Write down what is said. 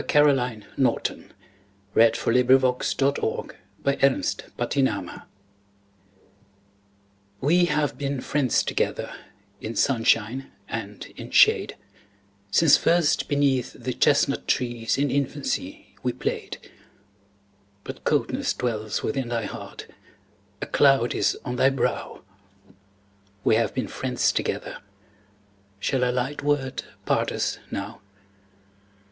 Caroline Norton We Have Been Friends Together WE have been friends together In sunshine and in shade, Since first beneath the chestnut trees, In infancy we played. But coldness dwells within thy heart, A cloud is on thy brow; We have been friends together, Shall a light word part us now?